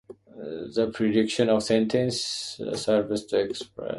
The category of predication of the sentence serves to express